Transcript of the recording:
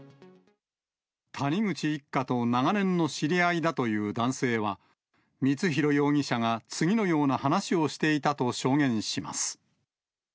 谷口一家と長年の知り合いだという男性は、光弘容疑者が次のような話をしていたと証言します。